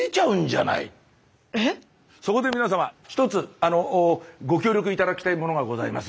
そこで皆様ひとつご協力頂きたいものがございます。